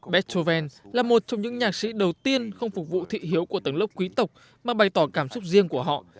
beethoven là một trong những nhạc sĩ đầu tiên không phục vụ thị hiếu của tầng lớp quý tộc mà bày tỏ cảm xúc riêng của họ